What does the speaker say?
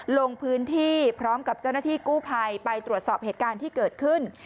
ลงพื้นที่พร้อมกับเจ้าหน้าที่กู้ภัยไปตรวจสอบเหตุการณ์ที่เกิดขึ้น